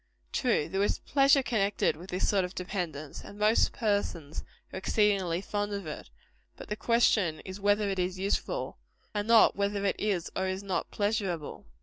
True, there is pleasure connected with this sort of dependence and most persons are exceedingly fond of it; but the question is whether it is useful and not whether it is or is not pleasurable.